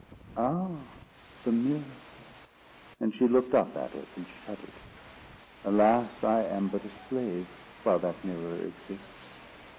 "Ah, the mirror!" and she looked up at it, and shuddered. "Alas! I am but a slave, while that mirror exists.